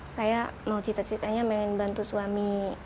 saya ingin membantu suami